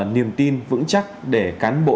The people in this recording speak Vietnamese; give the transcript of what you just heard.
niềm tin vững chắc để cán bộ